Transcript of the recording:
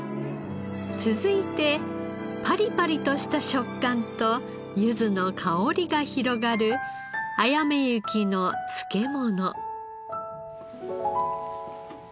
続いてパリパリとした食感とゆずの香りが広がるあやめ雪の漬物。